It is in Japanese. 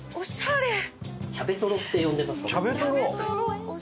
キャベトロって呼んでますね。